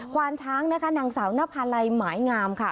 วานช้างนะคะนางสาวนภาลัยหมายงามค่ะ